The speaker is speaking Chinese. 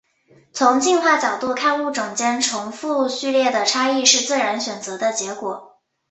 从进化角度看物种间重复序列的差异是自然选择的结果。